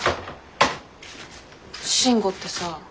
慎吾ってさ。